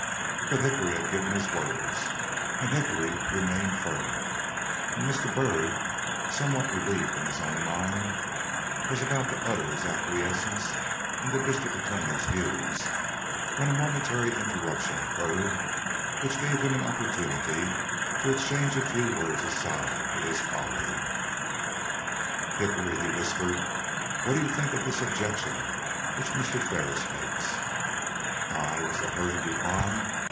But Hickory had given his word, and Hickory remained firm; and Mr. Byrd, somewhat relieved in his own mind, was about to utter his acquiescence in the District Attorney's views, when a momentary interruption occurred, which gave him an opportunity to exchange a few words aside with his colleague. "Hickory," he whispered, "what do you think of this objection which Mr. Ferris makes?" "I?" was the hurried reply.